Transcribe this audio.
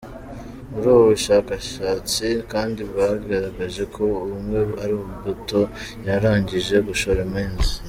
Muri ubu bushyakashatsi kandi bwagaragaje ko Ubumwe ari imbuto yarangije gushora imizi.